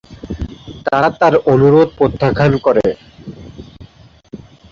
তারা তার অনুরোধ প্রত্যাখ্যান করে।